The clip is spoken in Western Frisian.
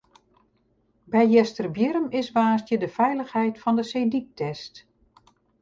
By Easterbierrum is woansdei de feilichheid fan de seedyk test.